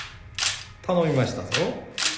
頼みましたぞ。